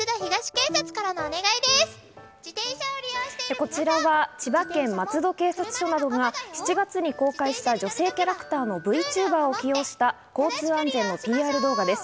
こちらは千葉県松戸警察署などが７月に公開した女性キャラクターのＶＴｕｂｅｒを起用した交通安全のＰＲ動画です。